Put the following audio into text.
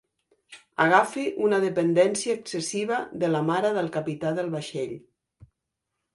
Agafi una dependència excessiva de la mare del capità del vaixell.